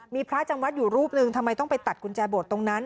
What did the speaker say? มีพระจำวัดอยู่รูปหนึ่งทำไมต้องไปตัดกุญแจโบสถตรงนั้น